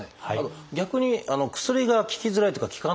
逆に薬が効きづらいっていうか効かないってこともあるんですか？